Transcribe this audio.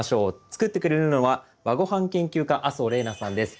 作ってくれるのは和ごはん研究家麻生怜菜さんです。